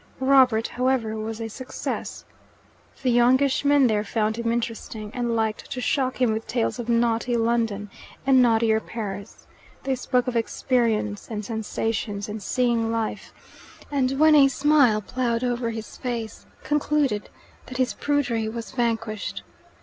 Robert, however, was a success. The youngish men there found him interesting, and liked to shock him with tales of naughty London and naughtier Paris. They spoke of "experience" and "sensations" and "seeing life," and when a smile ploughed over his face, concluded that his prudery was vanquished.